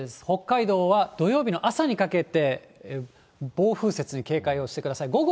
北海道は土曜日の朝にかけて、暴風雪に警戒をしてください。